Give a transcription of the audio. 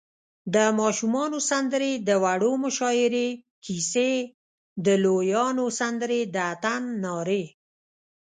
د ماشومانو سندرې، د وړو مشاعرې، کیسی، د لویانو سندرې، د اتڼ نارې